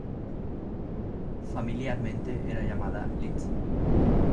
Familiarmente era llamada "Lizzy".